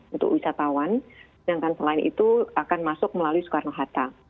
untuk wisatawan sedangkan selain itu akan masuk melalui soekarno hatta